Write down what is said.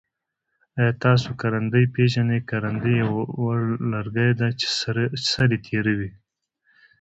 آیا تاسو کرندی پیژنی؟ کرندی یو وړ لرګی دی چه سر یي تیره وي.